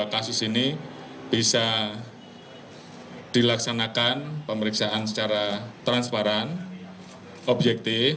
kasus ini bisa dilaksanakan pemeriksaan secara transparan objektif